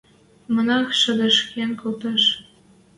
Монах шӹдешкен колтыш.